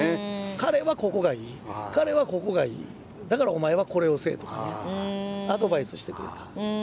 彼はここがいい、彼はここがいい、だからお前はこれをせえとかね、アドバイスしてくれた。